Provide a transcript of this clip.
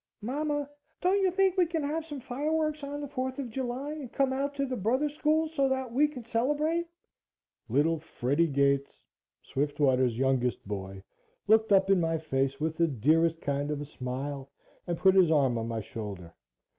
"MAMA, don't you think you can have some fireworks on the Fourth of July and come out to the Brothers School so that we can celebrate?" Little Freddie Gates, Swiftwater's youngest boy, looked up in my face with the dearest kind of a smile, and put his arm on my shoulder.